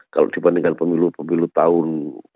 kalau dibandingkan pemilu pemilu tahun